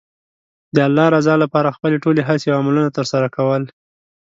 د الله رضا لپاره خپلې ټولې هڅې او عملونه ترسره کول.